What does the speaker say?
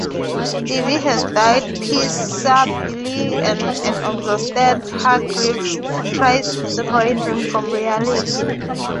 Stevie has died peaceably and an exhausted Hargreaves tries to separate dream from reality.